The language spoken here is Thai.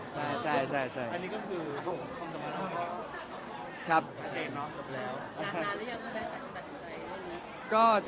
นานนานแล้วยังไม่ได้กับอาจริตกันชมใจ